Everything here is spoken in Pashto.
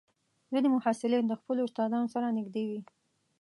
ځینې محصلین د خپلو استادانو سره نږدې وي.